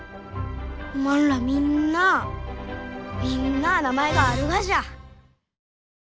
おまんらみんなあみんなあ名前があるがじゃ。